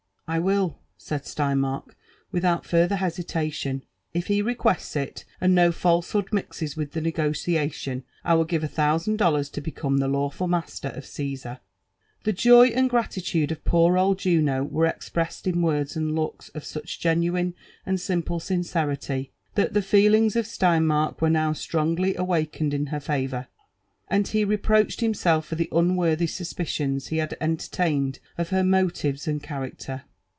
'* I will," said Sleinmark without farther hesitation. *' If he re* Quests it, and no falsehood mixes with the negociatioh^ I will give a tbouaand dollars to become the lawful master of Caesari" The joy and gratitude of poor old Juno were expressed in woids and looks of such genuine and simple sincerity, that the feellnga of Stein ihark were now strongly awakened in her favour, and be reproached himself for the unworthy suspicions he had entertaitaed of her motives smd character.